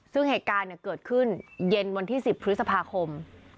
ซึ่งเหตุการณ์เกิดขึ้นเย็นวันที่๑๐พฤษภาคม